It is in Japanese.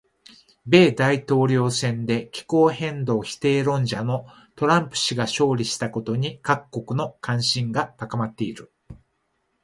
米大統領選で気候変動否定論者のトランプ氏が勝利したことに各国の関心が集まっている。